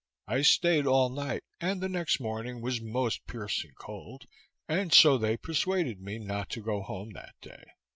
I staid all night, and the next morning was most piercing cold, and so they persuaded me not to go home that day.